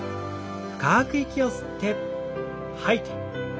深く息を吸って吐いて。